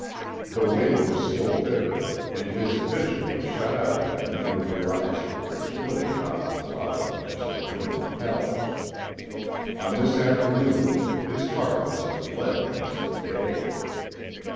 The wind was still bitter, and his vision was shut in by a near horizon which Billy had often thought of as the rim of hell. On this afternoon his heart was as leaden as the day.